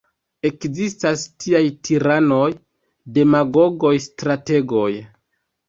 Ekzistas tiaj tiranoj, demagogoj, strategoj.